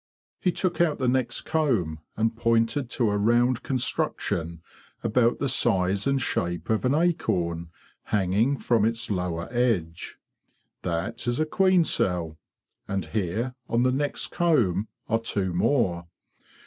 He took out the next comb and pointed to a round construction, about the size and shape of an acorn, hanging from its lower edge. ""That is a queen cell; and here, on the next comb, are two more.